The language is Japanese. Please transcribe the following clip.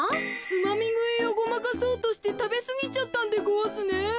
つまみぐいをごまかそうとしてたべすぎちゃったんでごわすね？